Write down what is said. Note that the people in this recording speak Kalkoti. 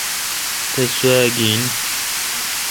تس سوا گین۔